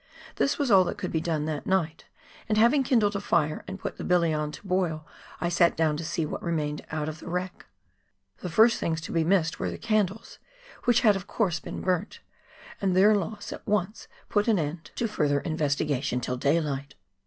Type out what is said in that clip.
This was all that could be done that night, and having kindled a fire and put the billy on to boil, I sat down to see what remained out of the wreck. The first things to be missed were the candles, which had of course been burnt, and their loss at once put an end to further FOX GLACIER. 115 investigation till daylight.